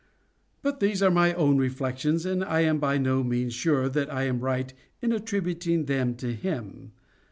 But these are my own reflections and I am by no means sure that I am right in attributing them to him.